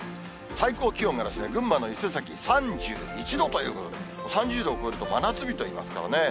最高気温がですね、群馬の伊勢崎３１度ということで、３０度を超えると、真夏日といいますからね。